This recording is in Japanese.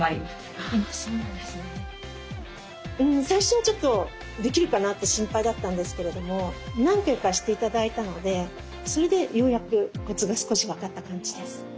最初はちょっとできるかなって心配だったんですけれども何回かして頂いたのでそれでようやくコツが少し分かった感じです。